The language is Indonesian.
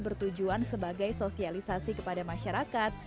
bertujuan sebagai sosialisasi kepada masyarakat